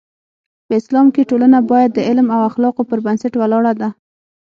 په اسلام کې ټولنه باید د علم او اخلاقو پر بنسټ ولاړه ده.